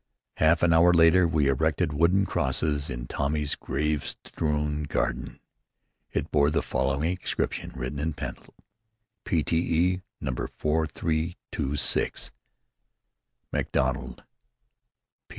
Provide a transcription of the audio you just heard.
Half an hour later we erected a wooden cross in Tommy's grave strewn garden. It bore the following inscription written in pencil: Pte. # 4326 MacDonald.